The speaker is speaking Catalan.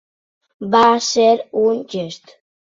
Va ser un gest.